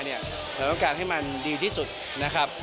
เราต้องการให้มันดีที่สุดนะครับ